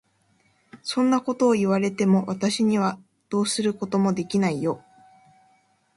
そんなことを言われても、私にはどうすることもできないよ。